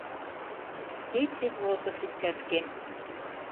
Кече возо шинчашкем.